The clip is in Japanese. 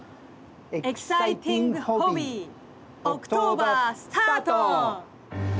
「エキサイティングホビー」オクトーバースタート！